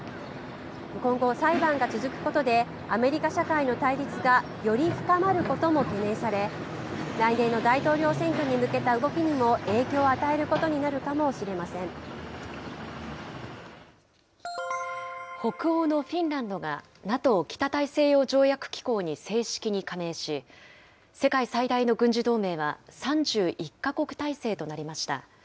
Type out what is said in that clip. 今後、裁判が続くことでアメリカ社会の対立がより深まることも懸念され、来年の大統領選挙に向けた動きにも影響を与えることになるかもし北欧のフィンランドが、ＮＡＴＯ・北大西洋条約機構に正式に加盟し、世界最大の軍事同盟は、３１か国体制となりました。